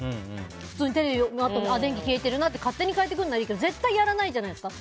普通に、テレビ終わって電気消えてるなって勝手に替えてくれるならいいけど絶対やらないじゃないですか。